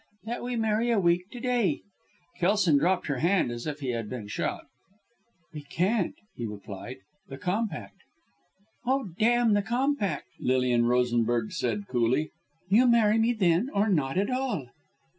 "That we marry a week to day!" Kelson dropped her hand as if he had been shot. "We can't!" he cried. "The Compact!" "Oh, damn the Compact!" Lilian Rosenberg said coolly. "You marry me then or not at all!"